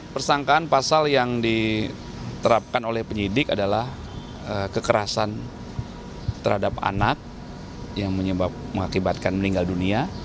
persangkaan pasal yang diterapkan oleh penyidik adalah kekerasan terhadap anak yang mengakibatkan meninggal dunia